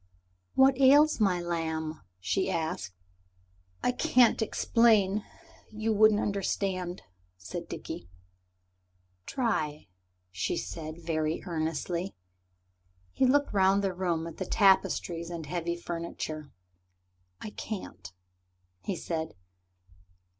"What ails my lamb?" she asked. "I can't explain; you wouldn't understand," said Dickie. "Try," said she, very earnestly. He looked round the room at the tapestries and the heavy furniture. "I can't," he said.